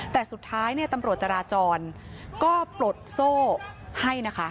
แต่สุดท้ายตำรวจจราจรก็ปลดโซ่ให้นะคะ